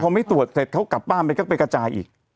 พอไม่ตรวจเสร็จเขากลับบ้านไปก็ไปกระจายอีก